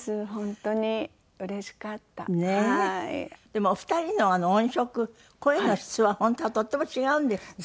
でもお二人の音色声の質は本当はとっても違うんですって？